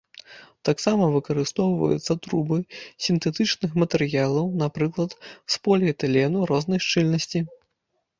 Таксама выкарыстоўваюцца трубы з сінтэтычных матэрыялаў, напрыклад, з поліэтылену рознай шчыльнасці.